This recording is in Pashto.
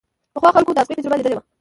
پخوا خلکو د ازغي تجربه ليدلې وه.